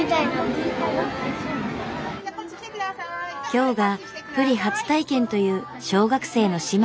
今日がプリ初体験という小学生の姉妹。